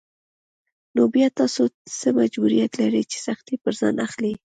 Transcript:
نو بيا تاسو څه مجبوريت لرئ چې سختۍ پر ځان اخلئ.